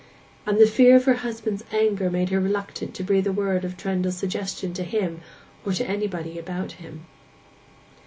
And the fear of her husband's anger made her reluctant to breathe a word of Trendle's suggestion to him or to anybody about him.